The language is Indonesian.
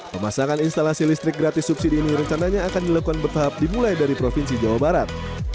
pemasangan instalasi listrik gratis subsidi ini rencananya akan dilakukan bertahap dimulai dari provinsi jawa barat